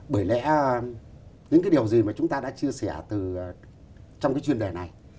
bởi lẽ những cái điều gì mà chúng ta đã chia sẻ từ trong cái chuyên đề này